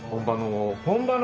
本場の。